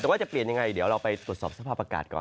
แต่ว่าจะเปลี่ยนยังไงเดี๋ยวเราไปตรวจสอบสภาพอากาศก่อน